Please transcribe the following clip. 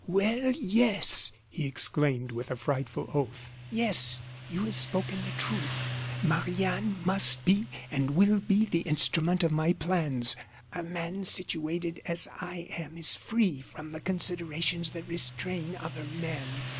"Well, yes!" he exclaimed, with a frightful oath, "yes, you have spoken the truth. Marie Anne must be, and will be, the instrument of my plans. A man situated as I am is free from the considerations that restrain other men.